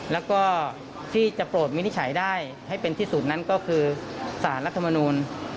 แล้วก็ที่จะโปรดวินิจฉัยได้ให้เป็นที่สุดนั้นก็คือสารรัฐมนูล